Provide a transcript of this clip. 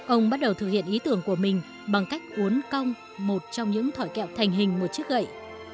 ông bắt đầu thực hiện ý tưởng của mình bằng cách uốn cong một trong những thỏi kẹo thành hình một chiếc gậy